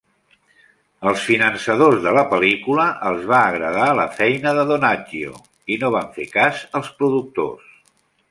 Als finançadors de la pel·lícula els va agradar la feina de Donaggio i no van fer cas als productors.